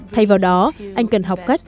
thay vào đó anh cần học cách